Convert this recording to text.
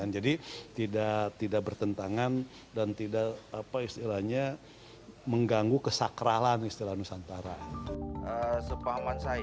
jadi tidak bertentangan dan tidak mengganggu kesakralan istilah nusantara